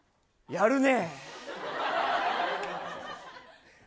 やるねえ。